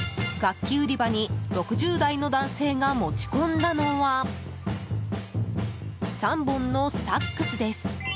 楽器売り場に６０代の男性が持ち込んだのは３本のサックスです。